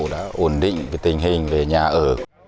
các hộ đã ổn định về tình hình về nhà ở